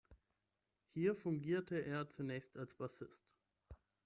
Hier fungierte er zunächst als Bassist.